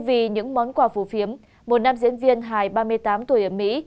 vì những món quà phù phiếm một nam diễn viên hài ba mươi tám tuổi ở mỹ